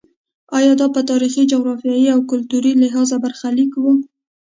ایا دا په تاریخي، جغرافیایي او کلتوري لحاظ برخلیک و.